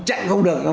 chặn không được